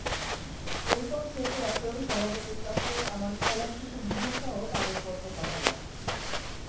এরপর শেখ রাসেল সভাপতির কাছে আমার খেলার কিছু ভিডিওসহ কাগজপত্র পাঠালাম।